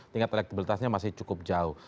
tingkat elektabilitasnya masih cukup jauh